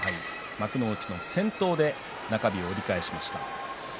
幕内の先頭で中日折り返しました。